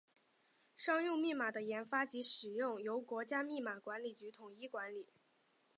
商用密码的研发及使用由国家密码管理局统一管理。